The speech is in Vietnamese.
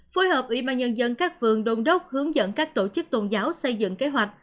phối hợp ủy ban nhân dân các phường đôn đốc hướng dẫn các tổ chức tôn giáo xây dựng kế hoạch